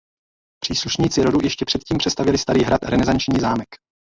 Příslušníci rodu ještě předtím přestavěli starý hrad renesanční zámek.